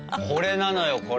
これなのよ